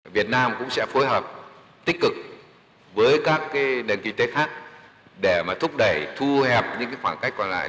việt nam cũng sẽ phối hợp tích cực với các nền kinh tế khác để thúc đẩy thu hẹp những khoảng cách còn lại